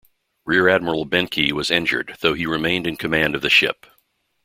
Rear Admiral Behncke was injured, though he remained in command of the ship.